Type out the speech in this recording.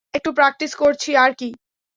একটু প্র্যাকটিস করছি আরকি।